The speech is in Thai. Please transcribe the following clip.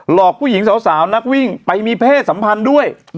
หลอกผู้หญิงสาวนักวิ่งไปมีเพศสัมพันธ์ด้วย